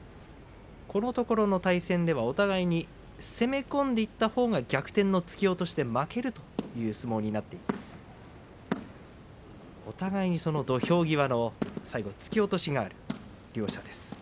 このところの対戦ではお互いに攻め込んでいったほうが逆転の突き落としで負けるという相撲になっています。